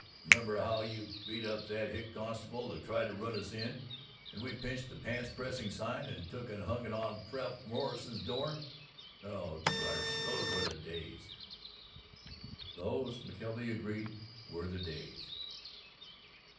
Remember how you beat up that hick constabule that tried to run us in, and we pinched the pants pressing sign and took and hung it on Prof. Morrison's door? Oh, gosh, those were the days!" Those, McKelvey agreed, were the days.